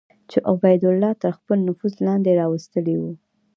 چې عبیدالله تر خپل نفوذ لاندې راوستلي وو.